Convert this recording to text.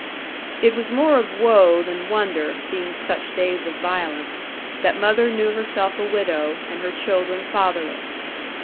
It was more of woe than wonder, being such days of violence, that mother knew herself a widow, and her children fatherless.